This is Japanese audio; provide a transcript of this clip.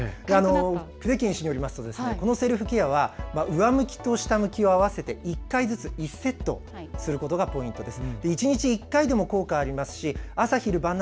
久手堅医師によりますとこのセルフケアは上向きと下向きを合わせて１回ずつ１セットすることがポイントです。